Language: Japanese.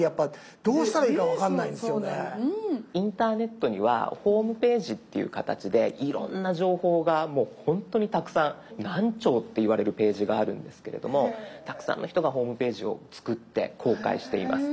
インターネットにはホームページっていう形でいろんな情報がもうほんとにたくさん何兆っていわれるページがあるんですけれどもたくさんの人がホームページを作って公開しています。